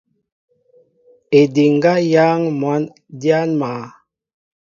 Ediŋga yááŋ măn dya maá.